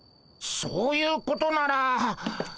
そういうことなら。